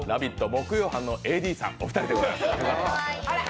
木曜班のＡＤお二人でございます。